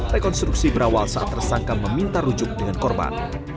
rekonstruksi berawal saat tersangka meminta rujuk dengan korban